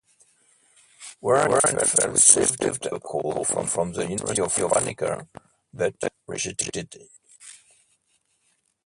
Werenfels received a call from the University of Franeker, but rejected it.